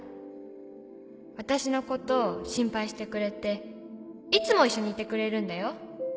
「私のこと心配してくれていつも一緒にいてくれるんだよ」